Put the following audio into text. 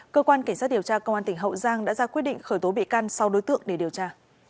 cơ quan cảnh sát điều tra công an tỉnh hậu giang đã ra quyết định khởi tố bị can sau đối tượng để điều tra